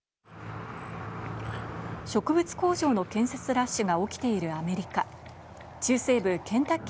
植物工場の建設ラッシュが起きているアメリカ。